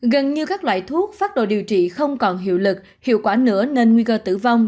gần như các loại thuốc phát đồ điều trị không còn hiệu lực hiệu quả nữa nên nguy cơ tử vong